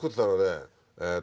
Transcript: えっとね